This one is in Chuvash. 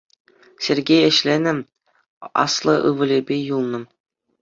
Сергей ӗҫленӗ, аслӑ ывӑлӗпе юлнӑ.